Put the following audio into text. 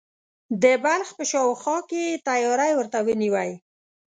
د بلخ په شاوخوا کې یې تیاری ورته ونیوی.